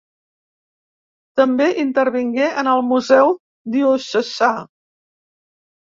També intervingué en el Museu Diocesà.